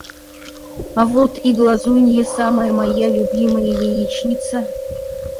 А вот и глазунья, самая моя любимая яичница.